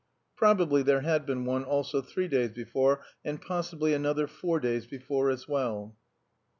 (Probably there had been one also three days before, and possibly another four days before as well.)